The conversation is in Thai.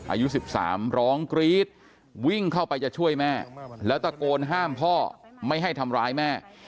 อายุ๑๓ร้องกรี๊ดวิ่งเข้าไปจะช่วยแม่แล้วตะโกนห้ามพ่อไม่ให้ทำร้ายแม่